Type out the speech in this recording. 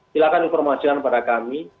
silakan informasikan kepada kami